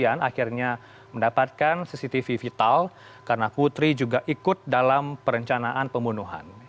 kemudian akhirnya mendapatkan cctv vital karena putri juga ikut dalam perencanaan pembunuhan